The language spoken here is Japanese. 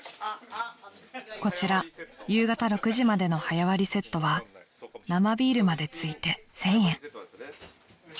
［こちら夕方６時までの早割セットは生ビールまで付いて１，０００円］